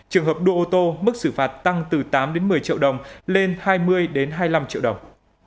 trường hợp đua ô tô mức xử phạt tăng từ tám một mươi triệu đồng lên hai mươi hai mươi năm triệu đồng